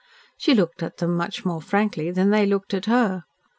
She looked at them much more frankly than they looked at her.